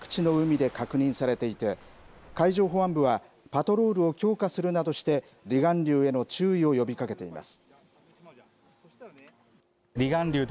離岸流は、全国各地の海で確認されていて、海上保安部は、パトロールを強化するなどして、離岸流への注意を呼びかけています。